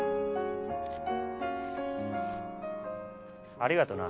ありがとな。